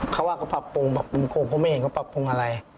เขาว่าก็ปรับปรุงก็ไม่เห็นก็ปรับปรุงอะไร